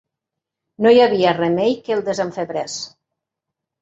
No hi havia remei que el desenfebrés.